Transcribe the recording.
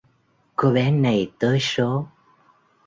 Cô bé này tới số